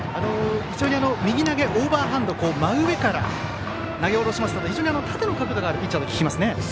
右投げ、オーバーハンド真上から投げ下ろしますので縦の角度があるピッチャーと聞きますね。